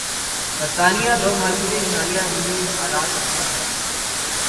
برطانیہ دو مرکزی اشاریہ ہُنڈی آلات رکھتا ہے